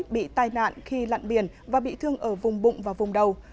bị tai nạn khi lặn biển và bị thương ở vùng bụng và vùng đầu